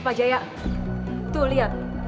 pak jaya tuh liat